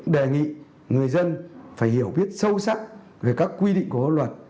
đề nghị người dân phải hiểu biết sâu sắc về các quy định của luật